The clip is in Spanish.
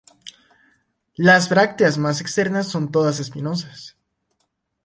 Las brácteas más externas son todas espinosas.